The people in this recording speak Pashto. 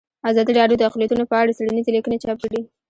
ازادي راډیو د اقلیتونه په اړه څېړنیزې لیکنې چاپ کړي.